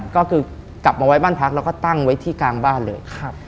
ก็คือกลับมาไว้บ้านพักแล้วก็ตั้งไว้ที่กลางบ้านเลย